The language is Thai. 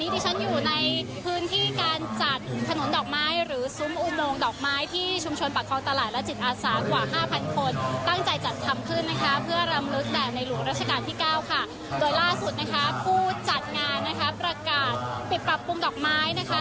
ด้วยล่าสุดครับผู้จัดงานนะครับประการปิดปรับปรุงดอกไม้นะครับ